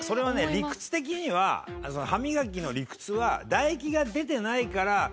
理屈的には歯みがきの理屈は唾液が出てないから。